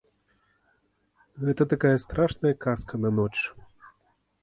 Гэта такая страшная казка на ноч.